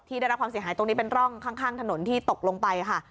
ได้รับความเสียหายตรงนี้เป็นร่องข้างถนนที่ตกลงไปค่ะ